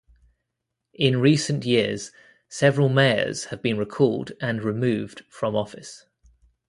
In recent years, several mayors have been recalled and removed from office.